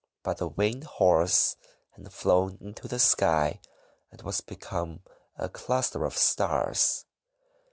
But the Winged Horse had flown into the sky and was become a cluster of Stars.